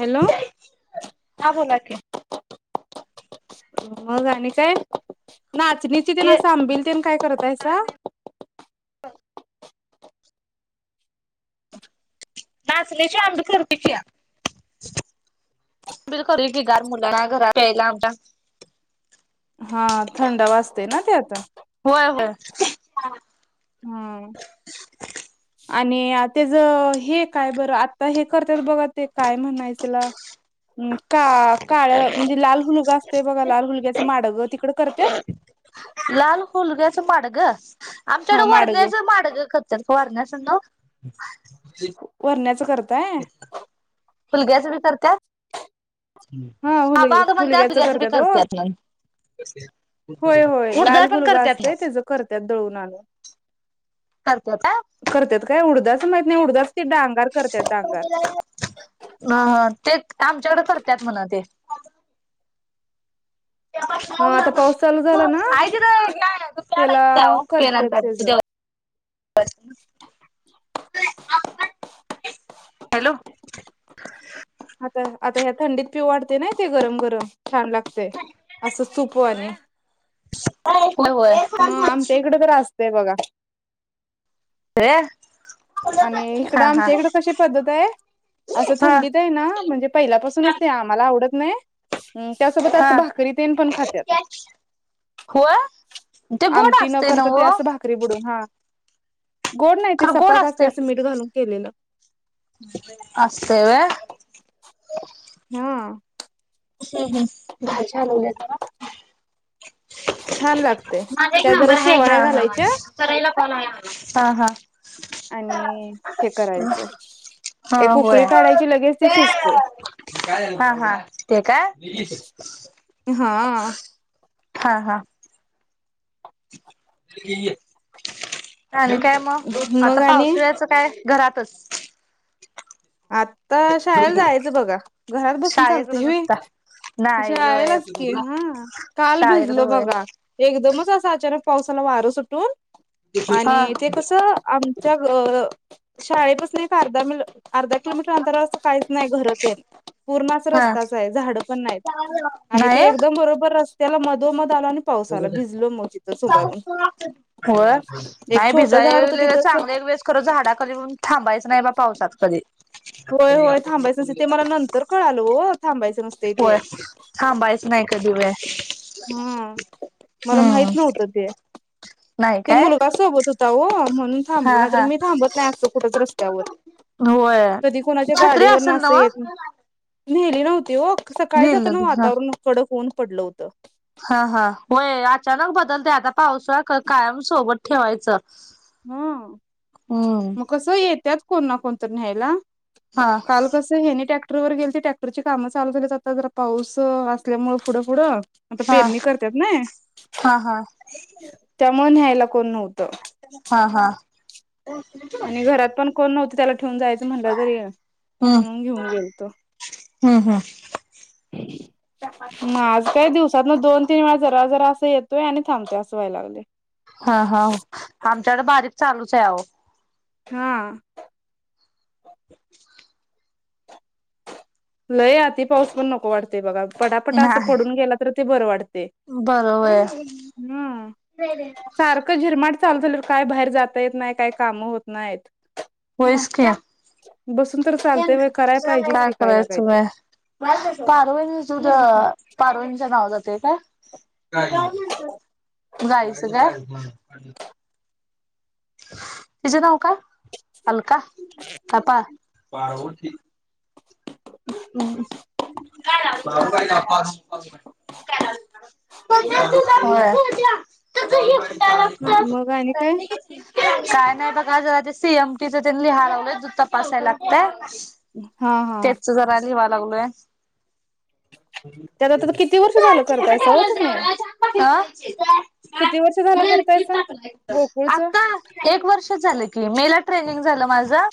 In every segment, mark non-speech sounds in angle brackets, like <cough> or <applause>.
Hello. आ बोलाकी. मग आणि काय. नाचणीचे तेन ये असं आंबिल तेन काय करतायसा. नाचण्याची आंबी करतो की. दुद कडुय की. गार मुलांना घरात प्यायला आमच्या. हा. थंड वाजते ना त्यात. होय होय. हम्म. आणि त्याज हे काय बरं आता हे करत्यात बघा ते काय म्हणायचला. <inaudible> हं का काळ म्हणजे लाल हुलगा असतय बघा, लाल हुलग्याचं माडगं तिकड करत्यात. लाल होलग्याच माडग, आमच्याकड हा माडग वरण्याच माडग क त्यात वार्ण अस नो. वरण्याच करत फुलग्याच बी करत्यात. हा हुल बाबा नी म्हणत्यात हुलग्याचं तुग्याच बी ओ. करत्यात म उडद पण करत्यात ना. करतत दळून आलं. करतो का. करत्यात काय. उडदाच माहित नाही उडदाच ते डांगार करतात डांगार. ह तेच. आमच्याकडे करतात म्हणा ते. आइक हा आता पाऊस रे. चालू झाला पेन ना एक द्यावो. पेन त्याला एक करत्यात द्या त्याच देव. हॅलो. आता आता ह्या थंडीत पिऊ वाटते नाही ते गरम गरम. छान लागतेय. असंच चपू आणि. होय होय हं. होय आमच्या इकड तर असतंय बघा. ये. आणि इकडं आमच्या इकडं कशी पद्धत आहे. असं हा थंडीत आहे ना, म्हणजे पहिल्यापासूनच ते आम्हाला आवडत नाय. ह त्यासोबत हा असं भाकरी तेन पण खात्यात. होय. तेे गोड आमटी न असते ना करता ते वो. असं भाकरी बुडून हा. गोड नाही ते खरं गोड सपाक असते असं मीठ घालून केलेलं. असते वय. हा. मिटं. घाई लवल्या जरा. <inaudible> छान लागतय. माझा एक त्या नंबर जरा आहे शेवाळ्या घालायच्या. करायला कॉल आहे मला हा हा आणि हे करायचं. हा एक होय उकळी काढायची लगेच ती शिजते हा हा ते का हा आ. हा हा. आणि काय मग मग आता आणि पाऊसळ्याच काय घरातच. आता शाळेला जायचं बघा घरात बसून शाळेकडे चालतय व नुसता त नाही होय आयलाच की हा काल शाळेकडे भिजलो होय बघा एकदमच असं अचानक पावसाला वारं सुटून हा आणि ते कसं आम त्या शाळेपासून कारदा मि अर्धा किलोमीटर अंतरावर असं काहीच नाही घरच ये पूर्ण अस हा रस्ताच आहे झाडं पण नाहीत आणि नाही ते एकदम बरोबर रस्त्याला मधोमध आल आणि पाऊस आला भिजलो मग तिथंच उभारून हो एक नाही छोटं झाड होतं भिजा तिथंच चांगले खरंच झाडा कध होऊ थांबायचं नाही बा पावसात कधी होय होय थांबायचं नसते ते मला नंतर कळालं हो थांबायचं नसते ते हा बाईस नाहीय कधवे हम मला माहित नव्हतं ते नाही ते काय मुलगा सोबत होता हो म्हणून हा थांबल नाहीतर हा मी थांबत नाही असतं कुठंच रस्त्यावर होय कधी कोुणाच्या छत्री गाडीवर असेल नास नव येत नेली नव्हती व सकाळी नेल जाताना हा वातावरण कडक होऊन पडलं होतं हा हा होय अचानक बदलते आता पावसाळ कायम सोबत ठेवायचं हो हम्म मग कस येतत कोण ना कोणत न्यायला हा काल कसं हे नाही ट्रॅक्टर वर गेल ते ट्रॅक्टरची कामं चालू झाली आता जरा पाऊस असल्यामुळे पुढं फुढं आता हा पेरणी करतात ना हा हा त्यामु न्यायला कोण नव्हतं हा हा आणि हम्म घरात पण कोण नव्हत त्याला ठेऊून जायचं म्हणलं तरी म्हणून घेऊन गेलतो हम हा हम् ना आज काही दिवसात म दोन तीन वेळा जरा जरा असं येतोय आणि थांबतेय असं व्हाय लागले हा हा आमच्याकडे बारीक चालूच आहे अह हा लय आती पाऊस पण नको वाटतेय बघा पटापटा असं पडून गेला तर ते बरं वाटते बरोबर आहे. हम्म सारखं झिरमाट चालू झा काय बाहेर जाता येत नाही काय कामं होत नाहीत होयच की बसून तर चालते व कराय पाहिजेच कि स पारवेणी जुध पारवेणीच नाव जाते का गायच का तचे नाका हलका कापा पा ण असत मग आणि काय? काय नाही बघा जरा ते सीएमटीच त्यांनी लिहालावलं जू तपासाय लागतय हा हा तेच जरा लिवा लागलोय त्यात आता तर किती वर्ष कुठं झालं करताय सव ठेवलंस होत मी देवराज? झालं करतायसा? गोकुळचं आता एक वर्ष झालं की मेला ट्रेनिंग झालं माझं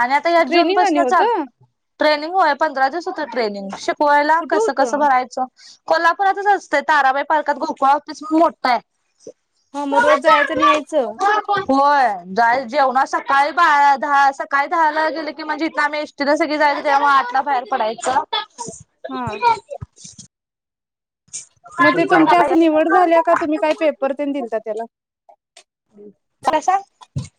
आणि आता या ट्रेनिंग आणि जूनपसून चालू <unintelligible> होतं? ट्रेनिंग होय पंधरा दिवस होते ट्रेनिंग शिकवायला कुठं कसं कसं होतं? भरायचं कोल्हापुरातच असतंय ताराबाई पार्कात गोकुळतेसण मोठं आहे हा मग रोज जायचं नाही यायचं <unintelligible> <unintelligible> होय जा जेवणा सकाळी दहा सकाळी दहाला गेले की म्हणजे इथ आम्ही एीला सगळी जाय <unintelligible> तेव्हा आटला बाहेर पडायच हम मग ते तुमच्या असं निवड झाल्या का तुम्ही काय पेपर त्यां दिलता त्याला तरसा <unintelligible>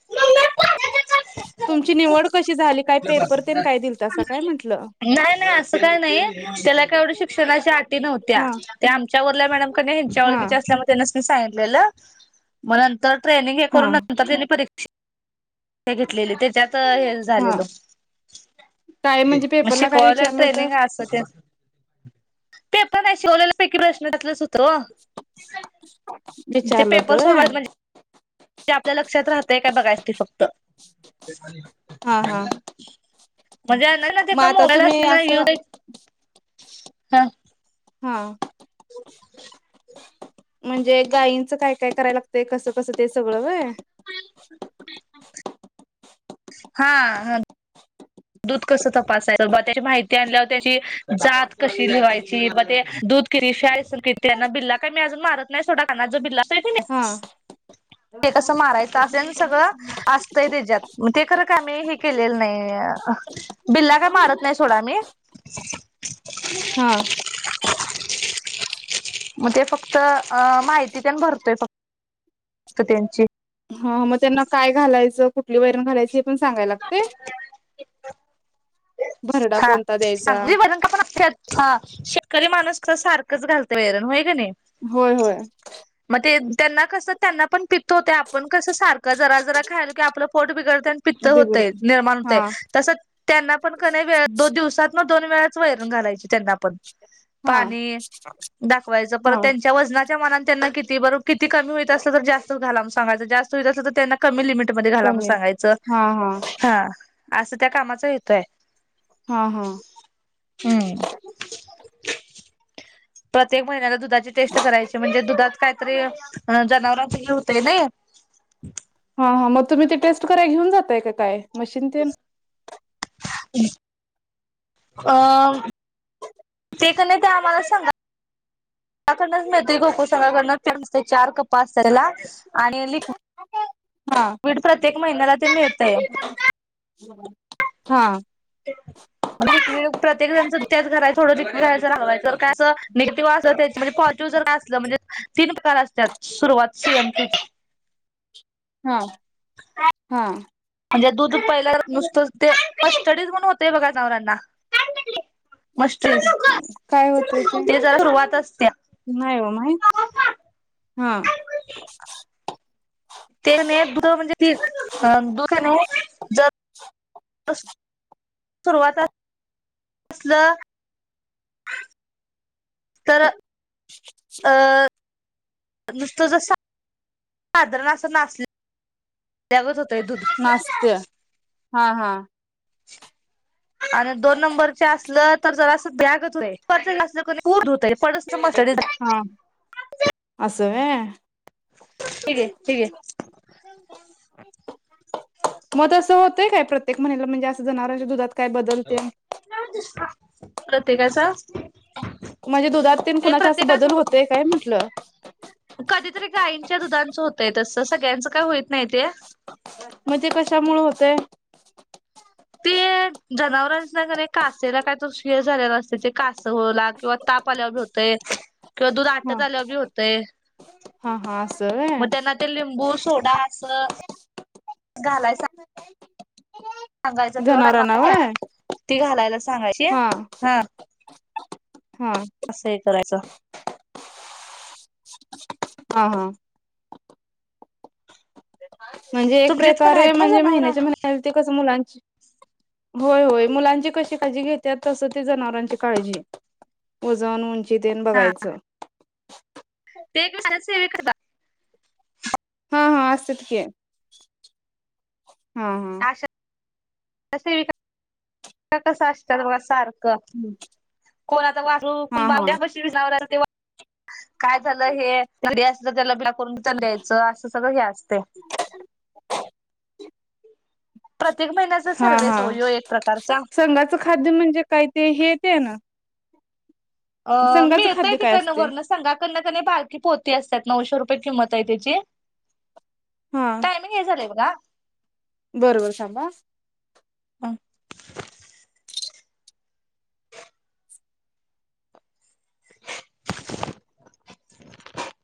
ह तुमची निवड कशी झाली काय पेपरते काय दिल असं काय म्हटलं नाही नाही असं काही नाही त्याला कावढ्या शिक्षणाच्या आटी नव्हत्या हा त्या आ वल्या मॅडम क ह्यांच्या हा ळखी असल्या त्यानिस न सांगितलेल् म नंतर ट्रली हे हा करून नंतर त्यांनी परीक्षा घेतलेली त्याच्यात हे हा झालेल काय म्हणजे म पेपरला काय शिकवल्या विचारलं होतं? ट्रेनिंग असतं त्यात ते पण नाही शिकवलेल्या पैकी प्रश्न त्या <unintelligible> तो ते विचारलं होतं पेपर व्हय सोडवायेत म्हणजे ते आपल्या लक्षात राहतेय काय बघायच ते फक्त हा हा म्हणजे नाही ना ते मग आता कामगला अस तुम्ही नाही असं ये हा हा <unintelligible> म्हणजे गायींचं काय काय करायला लागतंय कसं कसं ते सगळं व्हय <unintelligible> हा ह दूध कसं तपासायचं त्याची माहिती आणल्यावर त्याची जात कशी लेवायची ते दूध <unintelligible> किर्तीयाना बिल्ला काही मी अजून मारत नाही सोडा काना जो बिल्लास आहे की हा नाही. ते कसं मारायचं असे आणि सगळं असतंय त्याच्यात ते खरं का आम्ही हे केलेलं नाही अ बिल्ला काय मारत नाही सोडा मी हा <unintelligible> <unintelligible> मग त फक्त अ माहिती त्यां भरतोय फक्त त्यांची ह मग त्यांना काय घालायचं कुठली वैरण घालायची हे पण सांगाय लागते भरडा हा कोणता द्यायचा? सांगली वजंका पण अ <unintelligible> हा शेतकरी माणूस तर सारखंच घालते वैरण होय का नाही होय होय <unintelligible> मग ते त्यांना कसं त्यांना पण पित्त होते आपण कसं सारखं रा जरा खायला कि आपलं फोट बिडत पित्त होतं बिघडत निर्माण होतय हा तसं त्यांना <unintelligible> पण कही वे दोन दिवसात मग दोन वेळाच वैरण घालायचे त्यांना हा पाणी दावाच पर हा त्यांच्या व मतना किती ब किती कमी होत अस तर जास्त झालाग सगाय जास्त होत अस तर त्यां कमी लिमिटमध्ये घाला म्ह कमी सांगायचं हा असं त्या कामाचा येतोय हा हा <unintelligible> हम्म <unintelligible> प्रत्येक महिन्याला दुधाची टेस्ट करायची म्हणजे दुधात काहीतरी जनावरांच घ होते नाही हा हा मग तुम्ही ते टेस्ट करा घेऊन जातय काय मशीन ते ह् अ ते क ते आम्हाला सांगा डच मैत्री गोकू संघाकडनच प चार कपपा असत त्याला आणि लिकड हा वीड प्रत्येक महिन्याला ते मिळतय हा प्रत्येक जणच त्याच घरा थोडंिक करायचं हवायच काय असं निगेटिव्ह अस त्याची म्हणजे पॉझिटिव्ह जर असलं म्हणजे तीन प्रकार असतात सुरुवात सीएमी हा हा म्हणजे दूध पहिल्याला नुसतं ते पडथडीच म्हण होतेय बघा चवरांना मस्टडीज काय होतय ते जरा सुरवात असते नाही हो माहित हा ते न दुध म्हणजे ती दुधने सुरुवात असल तर अ नुसतं ज साधारण असं नासल्यागत होतय दूध नास्तय हा हा आणि दोन नंबरचे असल <inaudible> हा असं व्हय हठीक हक मग असं होतय काय प्रत्येक म्हहिला म्हणजे जनावरांच्या दुधात काय बदलते <inaudible> प्रत्येकाचा म्हणजे दुधात तेन ते कुणाच्या असं प्रत्येकाच बदल होतय काय म्हटलं कधीतरी गायींच्या दुधांचं होतय तसं सगळ्यांचं काय होत नाहीते मग तेे कशा मुळ होतेय <inaudible> जनावरांच्या घडे कासेला काय तो शेळ झालेला असते ते कासं होला किंवा ताप आल्या बी होते किंवा दूध हा आटत आल्या बी होते हा हा अस व्हय ते लिंबू सोडा अस घालायच <inaudible> सांगायचं जनावरांना किंवा व्हय ती घालायला सांगायची हा हा हा अससं हे करायचं हा हा म्हणजे एक तुमचीत पण प्रकारे आहेत ना म्हणजे जनावर महिन्याच्या महिन्या ते कसं मुलांची होय होय मुलांची कशी काळजी घेतात तसं ते जनावरांची काळजी वजन उंची तीन हा बघायचं <inaudible> हा हा असत्यात की हा हा कस असत बघा सारख कोण आता वाजू कोण हा बा हा द्या प विवर ते काय झालं हे घरी अस त्याला करून द्यायचं असं सगळं हे असते प्रत्येक महिन्याच हा सर्वेस हा होयो एक प्रकारचा संघाचं खाद्य म्हणजे काय ते हेेत ना अ मिळेतय खाद्य काय तिकड न असतय वरन संघातना कना क बालकी पोती असतात नऊशे रुपये किंमत आहे त्याची हा हे झालंय बघा बरोबर सांभा <inaudible> <inaudible>